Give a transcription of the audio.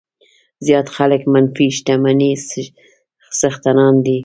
زیات خلک منفي شتمنۍ څښتنان دي.